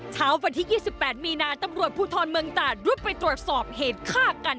เช้าวันที่๒๘มีนาตำรวจภูทรเมืองตาดรุดไปตรวจสอบเหตุฆ่ากัน